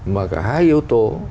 mà cả hai yếu tố